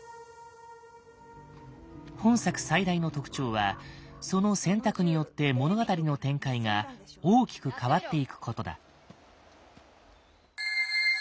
本作最大の特徴はその選択によって物語の展開が大きく変わっていくことだ。